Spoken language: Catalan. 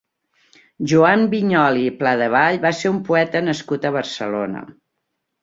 Joan Vinyoli i Pladevall va ser un poeta nascut a Barcelona.